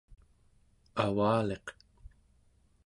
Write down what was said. avaliq